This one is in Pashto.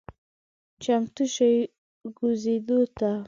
چمتو شئ کوزیدو ته…